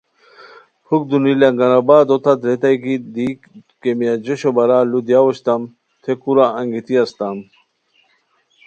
پُھک دونی لنگرآبادو تت ریتائے کی دی کیمیا جوشو بارا ُ لو دیا ؤ اوشتام تھے کورا انگیتی استام